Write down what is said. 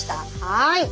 はい。